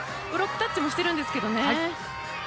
ブロックタッチもしているんですけどね。